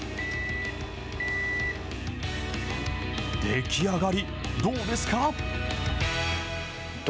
出来上がり、どうですか。